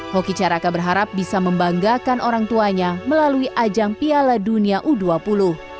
hoki caraka berharap bisa membanggakan orang tuanya melalui ajang piala dunia u dua puluh